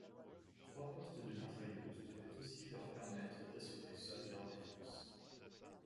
Trois postes de mitrailleuses devaient aussi leur permettre d’assurer seuls leur défense.